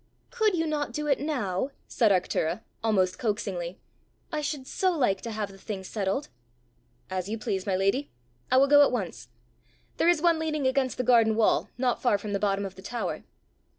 "Could you not do it now?" said Arctura, almost coaxingly. "I should so like to have the thing settled!" "As you please, my lady! I will go at once. There is one leaning against the garden wall, not far from the bottom of the tower."